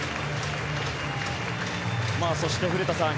そして、古田さん